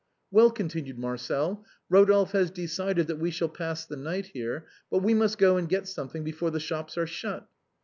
" Well," continued Marcel, " Rodolphe has decided that we shall pass the night here, but we must go and get some thing before the shops are shut."